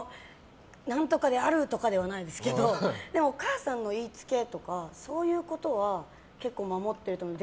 何とかである！とかではないですけど母さんのいいつけとかそういうことは結構守っていると思います。